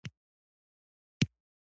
په هر ځای کې ترې لانجه جوړه شي.